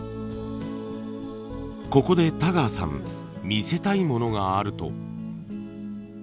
ここで田川さん見せたいものがあると。